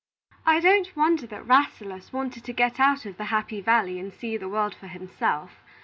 "I don't wonder that Rasselas wanted to get out of the Happy Valley and see the world for himself.